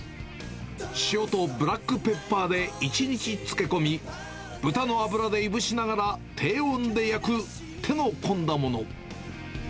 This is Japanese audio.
塩とブラックペッパーで１日漬け込み、豚の脂でいぶしながら低温で焼く手の込んだもの。